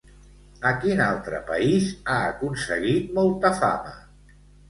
A quin altre país ha aconseguit molta fama?